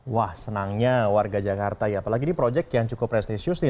wah senangnya warga jakarta ya apalagi ini proyek yang cukup prestisius nih